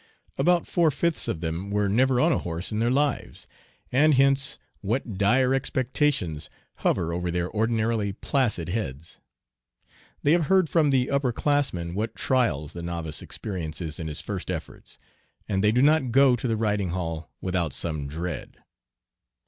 About four fifths of them were never on a horse in their lives, and hence what dire expectations hover over their ordinarily placid heads! They have heard from the upper classmen what trials the novice experiences in his first efforts, and they do not go to the riding hall without some dread.